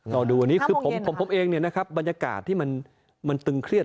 รอดูวันนี้คือผมเองบรรยากาศที่มันตึงเครียด